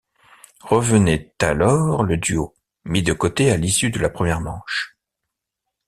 Revenait alors le duo mis de côté à l'issue de la première manche.